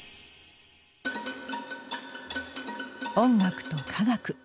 音楽と科学。